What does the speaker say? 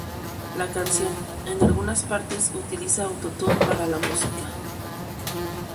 La canción, en algunas partes, utiliza auto-tune para la música.